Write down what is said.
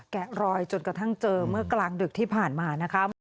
แกะรอยจนกระทั่งเจอเมื่อกลางดึกที่ผ่านมานะคะ